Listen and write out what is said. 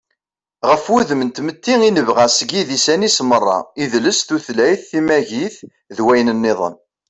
ɣef wudem n tmetti i nebɣa seg yidisan-is meṛṛa: idles, tutlayt, timagit, d wayen-nniḍen